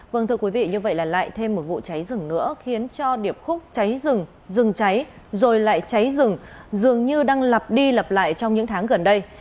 vâng thưa quý vị như vậy là lại thêm một vụ cháy rừng nữa khiến cho điệp khúc cháy rừng rừng cháy rồi lại cháy rừng dường như đang lặp đi lặp lại trong những tháng gần đây